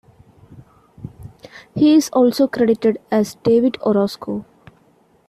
He is also credited as David Orosco.